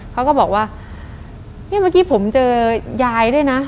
เขาก็บอกว่านี่เมื่อกี้ผมเจอยายด้วยนะ